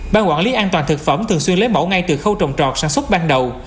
ban quản lý an toàn thực phẩm thường xuyên lấy mẫu ngay từ khâu trồng trọt sản xuất ban đầu